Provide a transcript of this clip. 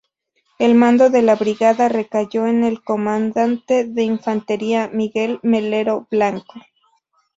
El mando de la brigada recayó en el comandante de infantería Miguel Melero Blanco.